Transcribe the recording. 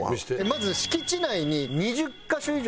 まず敷地内に２０カ所以上飲食店が。